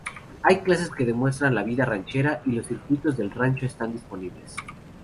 Hay clases que demuestran la vida ranchera y los circuitos del rancho están disponibles.